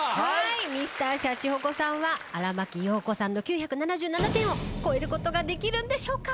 Ｍｒ．シャチホコさんは荒牧陽子さんの９７７点を超えることができるんでしょうか？